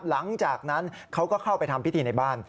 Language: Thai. หลังจากนั้นเขาก็เข้าไปทำพิธีในบ้าน